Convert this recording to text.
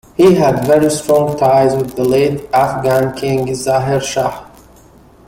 He had very strong ties with the late Afghan King, Zaher Shah.